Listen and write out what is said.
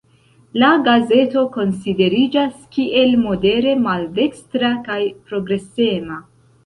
La gazeto konsideriĝas kiel modere maldekstra kaj progresema.